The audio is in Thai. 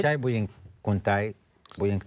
จากแก๊งกลุ่มที่มีเยอะแยะเต็มไปหมด